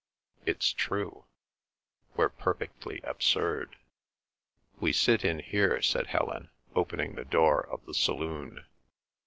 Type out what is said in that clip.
It's true. We're perfectly absurd." "We sit in here," said Helen, opening the door of the saloon.